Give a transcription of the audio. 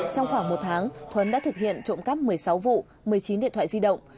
trong khoảng một tháng thuấn đã thực hiện trộm cắp một mươi sáu vụ một mươi chín điện thoại di động